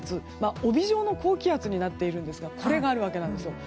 帯状の高気圧になっていますがこれがあるわけです。